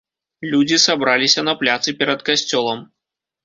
Людзі сабраліся на пляцы перад касцёлам.